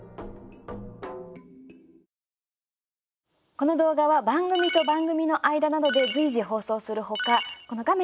この動画は番組と番組の間などで随時放送する他この画面